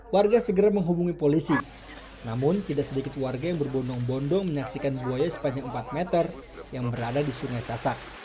warga segera menghubungi polisi namun tidak sedikit warga yang berbondong bondong menyaksikan buaya sepanjang empat meter yang berada di sungai sasak